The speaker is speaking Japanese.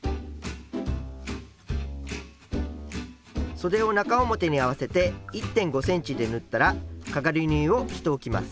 そでを中表に合わせて１．５ｃｍで縫ったらかがり縫いをしておきます。